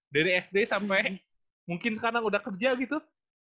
dari sd sampai mungkin sekarang udah kerja gitu